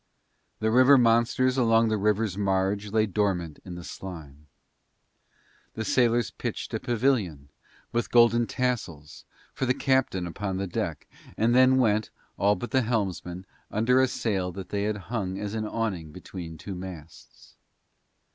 The river monsters along the river's marge lay dormant in the slime. The sailors pitched a pavilion, with golden tassels, for the captain upon the deck, and then went, all but the helmsman, under a sail that they had hung as an awning between two masts.